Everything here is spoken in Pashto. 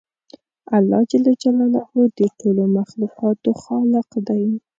الله جل جلاله د ټولو مخلوقاتو خالق دی